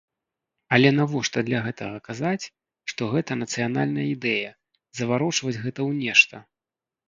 Але навошта для гэтага казаць, што гэта нацыянальная ідэя, заварочваць гэта ў нешта?